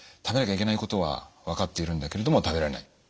食べなきゃいけないことは分かっているんだけれども食べられない。